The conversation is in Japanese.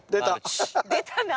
出たな。